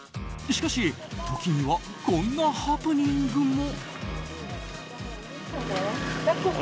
しかし時にはこんなハプニングも。